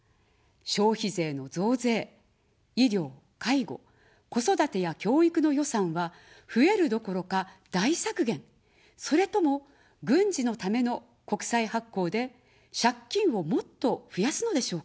消費税の増税、医療、介護、子育てや教育の予算は増えるどころか、大削減、それとも、軍事のための国債発行で借金をもっと増やすのでしょうか。